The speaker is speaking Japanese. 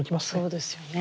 そうですよね。